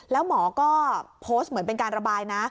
แล้วหมอก็โพสต์เหมือนเป็นการระบายนะ